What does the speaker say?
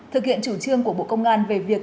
thực hiện chủ trương của bộ công an về việc